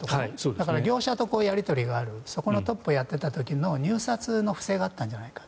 だから業者とやり取りがあるそこのトップをやっていた時に入札の不正があったんじゃないか。